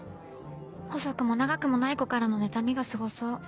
細くも長くもない子からのねたみがすごそう。